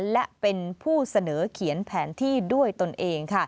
และเป็นผู้เสนอเขียนแผนที่ด้วยตนเอง